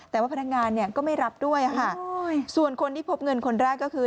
แต่ว่าพนักงานเนี่ยก็ไม่รับด้วยค่ะส่วนคนที่พบเงินคนแรกก็คือ